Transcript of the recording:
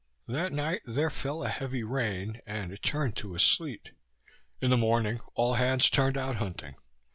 That night there fell a heavy rain, and it turned to a sleet. In the morning all hands turned out hunting.